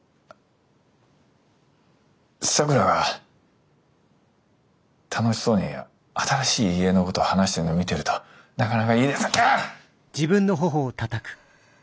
咲良が楽しそうに新しい家のこと話してるのを見てるとなかなか言いだせあっ！